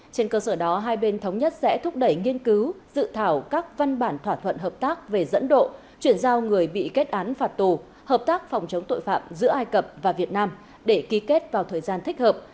trên cơ sở đó hai bên thống nhất sẽ thúc đẩy nghiên cứu dự thảo các văn bản thỏa thuận hợp tác về dẫn độ chuyển giao người bị kết án phạt tù hợp tác phòng chống tội phạm giữa ai cập và việt nam để ký kết vào thời gian thích hợp